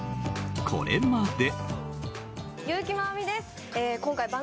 これまで。